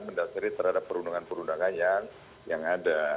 mendasari terhadap perundangan perundangan yang ada